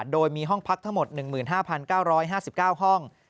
โดยมีห้องพักทั้งหมด๑๕๙๕๙ห้อง